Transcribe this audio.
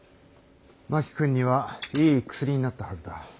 真木君にはいい薬になったはずだ。